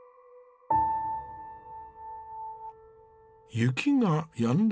雪がやんだ